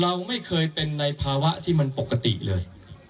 เราไม่เคยเป็นในภาวะที่มันปกติเลย